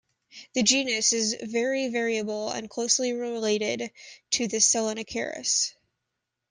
The genus is very variable and closely related to Selenicereus.